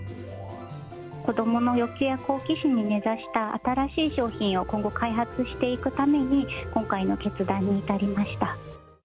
子どもの欲求や好奇心に根ざした新しい商品を今後、開発していくために、今回の決断に至りました。